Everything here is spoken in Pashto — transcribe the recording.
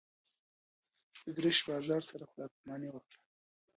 د ګرشک بازار سره خدای پاماني وکړه.